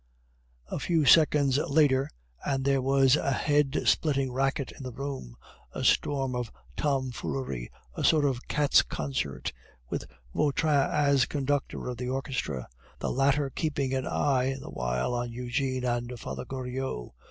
A few seconds later, and there was a head splitting racket in the room, a storm of tomfoolery, a sort of cats' concert, with Vautrin as conductor of the orchestra, the latter keeping an eye the while on Eugene and Father Goriot.